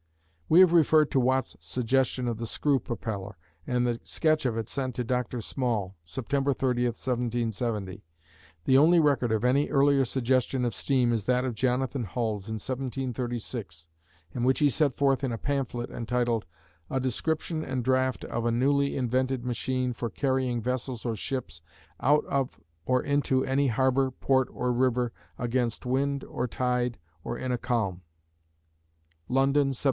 We have referred to Watt's suggestion of the screw propeller, and of the sketch of it sent to Dr. Small, September 30, 1770. The only record of any earlier suggestion of steam is that of Jonathan Hulls, in 1736, and which he set forth in a pamphlet entitled "A Description and Draught of a Newly Invented Machine for carrying vessels or ships out of or into any Harbour, Port or River, against Wind or Tide or in a Calm"; London, 1737.